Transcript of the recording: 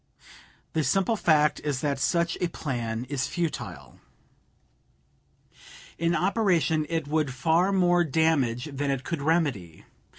The simple fact is that such a plan is futile. In operation it would do far more damage than it could remedy.